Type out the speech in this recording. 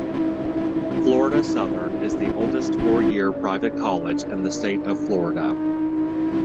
Florida Southern is the oldest four-year private college in the state of Florida.